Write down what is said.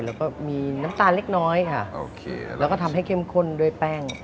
แล้วก็มีน้ำตาลเล็กน้อยค่ะโอเคแล้วก็ทำให้เข้มข้นด้วยแป้ง